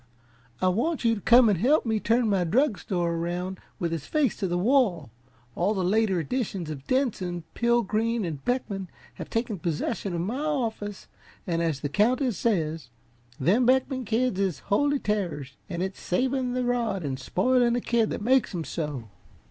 "I want you to come and help me turn my drug store around with its face to the wall. All the later editions of Denson, Pilgreen and Beckman have taken possession of my office and as the Countess says: 'Them Beckman kids is holy terrors an' it's savin' the rod an' spoilin' the kid that makes 'em so!'"